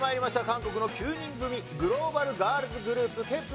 韓国の９人組グローバルガールズグループＫｅｐ